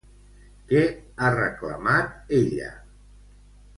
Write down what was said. Què ha reclamat ella?